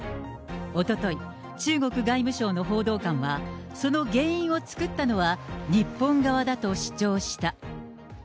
おととい、中国外務省の報道官は、その原因を作ったのは日本側だと主張した。